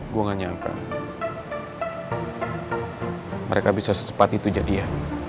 gue gak nyangka mereka bisa secepat itu jadi ya